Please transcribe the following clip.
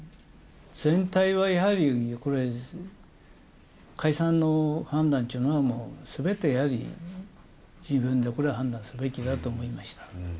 全体はやはり、これは解散の判断というのはもうすべて、やはり自分でこれは判断すべきだと思いました。